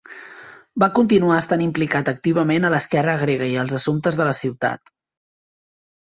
Va continuar estant implicat activament a l'esquerra grega i als assumptes de la ciutat.